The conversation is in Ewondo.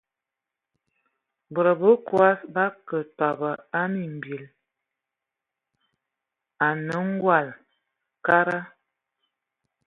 Bod bəkɔs bakad kə batɔbɔ a mimbil anə:ngɔl, kada.